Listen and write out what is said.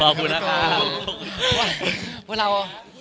ขอบคุณนะครับ